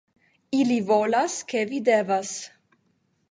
- Ili volas ke vi devas -